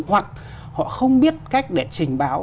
hoặc họ không biết cách để trình báo